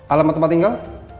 alamat tempat tinggal